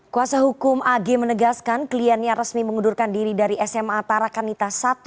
kuasa hukum ag menegaskan kliennya resmi mengundurkan diri dari sma tarakanita i